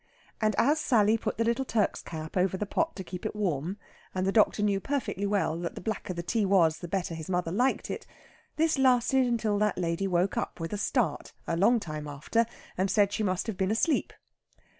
And as Sally put the little Turk's cap over the pot to keep it warm, and the doctor knew perfectly well that the blacker the tea was the better his mother liked it, this lasted until that lady woke up with a start a long time after, and said she must have been asleep.